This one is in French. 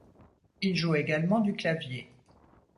Il joue également du clavier.